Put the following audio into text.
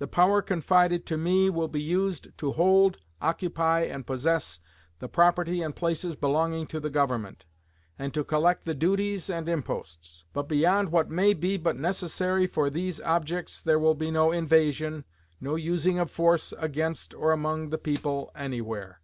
The power confided to me will be used to hold, occupy, and possess the property and places belonging to the Government, and to collect the duties and imposts; but beyond what may be but necessary for these objects, there will be no invasion, no using of force against or among the people anywhere....